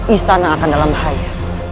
istana akan dalam bahaya